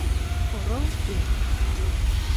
Орол пӧрт.